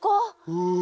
うん。